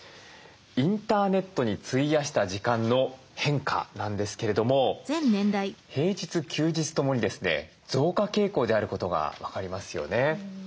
インターネットに費やした時間の変化なんですけれども平日休日ともにですね増加傾向であることが分かりますよね。